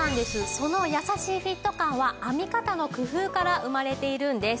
その優しいフィット感は編み方の工夫から生まれているんです。